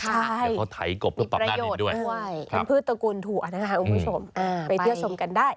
ใช่มีประโยชน์ด้วยทำพืชตระกูลถั่วนะครับคุณผู้ชมไปเที่ยวชมกันได้